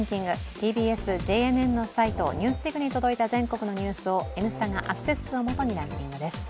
ＴＢＳ・ＪＮＮのサイト「ＮＥＷＳＤＩＧ」に届いた全国のニュースを「Ｎスタ」がアクセス数を基にランキングです。